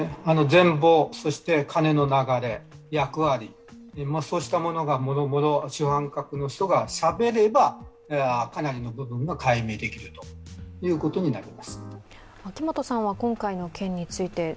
全貌、そして金の流れ役割、そうしたものがもろもろもろもろ主犯格の人がしゃべれば、かなりの部分が解明できるということになります。